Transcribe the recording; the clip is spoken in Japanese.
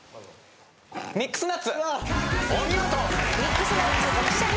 『ミックスナッツ』お見事。